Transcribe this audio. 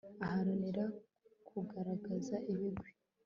aharanira kugaragaza ibigwi